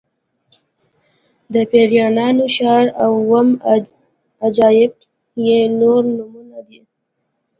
د پیریانو ښار او اووم عجایب یې نور نومونه دي.